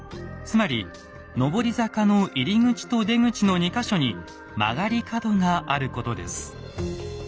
つまり上り坂の入り口と出口の２か所に曲がり角があることです。